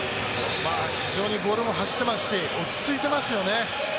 非常にボールも走ってますし、落ち着いてますよね。